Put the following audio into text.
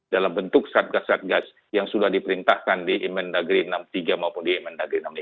dalam bentuk satgas satgas yang sudah diperintahkan di in main degree enam puluh tiga maupun enam puluh lima